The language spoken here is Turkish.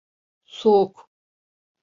Soğuk.